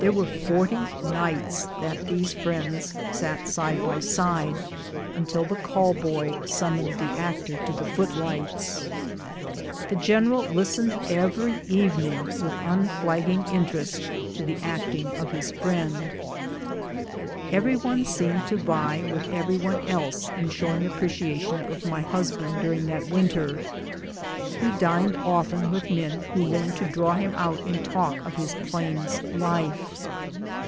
There were forty nights that tliese friends sat side by side, until the call boy summoned the actor to the footlights. The general listened every evening with unflagging interest to the acting of his friend. LEAVE OF ABSENCE. 261 Every one seemed to vie with every one else in show ing appreciation of my husband during that winter. He dined often with men who learned to draw him out in talk of his Plains life.